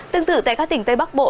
tương tự tại các tỉnh tây bắc bộ